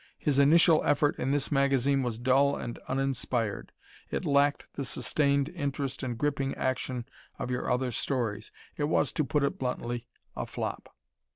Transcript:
His initial effort in this magazine was dull and uninspired. It lacked the sustained interest and gripping action of your other stories. It was, to put it bluntly, a flop.